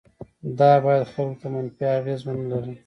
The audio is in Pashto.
دا باید خلکو ته منفي اغیز ونه لري.